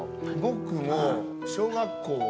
僕も小学校